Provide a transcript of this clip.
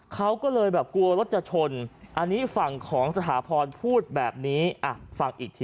เขาก็เลยแบบกลัวรถจะชนอันนี้ฝั่งของสถาพรพูดแบบนี้ฟังอีกที